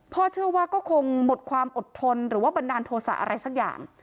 เชื่อว่าก็คงหมดความอดทนหรือว่าบันดาลโทษะอะไรสักอย่าง